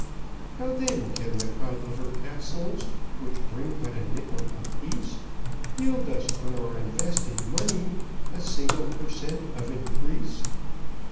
"How, then, can the Codliver Capsules, Which bring but a nickel apiece, Yield us on our invested money A single per cent, of increase?